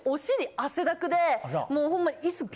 汗だくでもうホンマ。